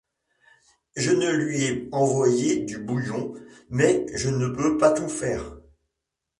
Je lui ai envoyé du bouillon, mais je ne peux pas tout faire.